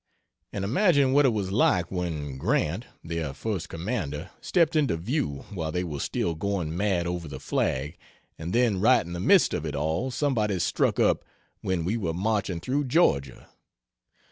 And imagine what it was like when Grant, their first commander, stepped into view while they were still going mad over the flag, and then right in the midst of it all somebody struck up, 'When we were marching through Georgia.'